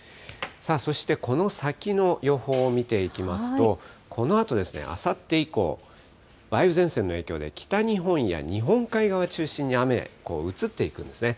そして、この先の予報を見ていきますと、このあと、あさって以降、梅雨前線の影響で、北日本や日本海側を中心に雨、移っていくんですね。